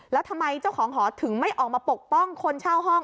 แล้วทำไมเจ้าของหอถึงไม่ออกมาปกป้องคนเช่าห้อง